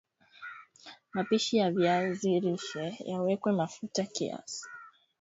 mapishi ya viazi lishe yawekwe mafuta kiasi